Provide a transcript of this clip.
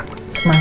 gak ada apa apa